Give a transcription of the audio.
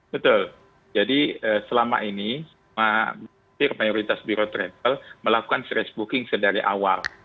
betul jadi selama ini semua hampir mayoritas biro travel melakukan stress booking sedari awal